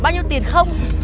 bây giờ cậu làm gì